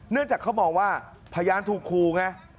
เนื่องจากเขามองว่าพยานถูกคู่ไง